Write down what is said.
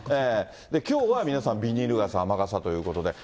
きょうは皆さんビニール傘、雨傘ということで。